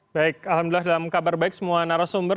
baik alhamdulillah dalam kabar baik semua narasumber